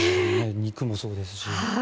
肉もそうですし。